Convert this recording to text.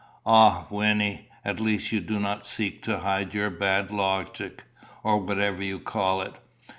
"Ah, Wynnie! at least you do not seek to hide your bad logic, or whatever you call it.